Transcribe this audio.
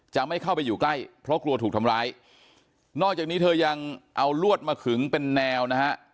จะไม่เข้าไปอยู่ใกล้เพราะกลัวถูกทำร้ายนอกจากนี้เธอยังเอาลวดมาขึงเป็นแนวนะฮะ